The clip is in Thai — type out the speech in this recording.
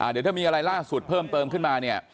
เดี๋ยวถ้ามีอะไรล่าสุดเพิ่มเติมขึ้นมาเนี่ย